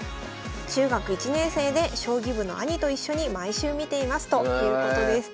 中学１年生で将棋部の兄と一緒に毎週見ていますということです。